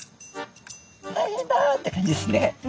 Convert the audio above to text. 「大変だ」って感じですね。